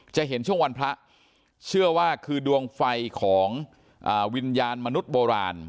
จะเห็นช่วงวันพระเชื่อว่าคือดวงไฟของวิญญาณมนุษย์โบราณ